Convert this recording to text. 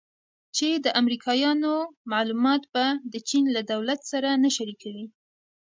چې د امریکایانو معلومات به د چین له دولت سره نه شریکوي